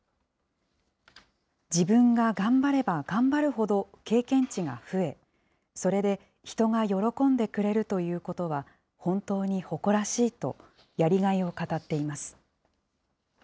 自分が頑張れば頑張るほど経験値が増え、それで人が喜んでくれるということは、本当に誇らしいと、やりがいを語っています。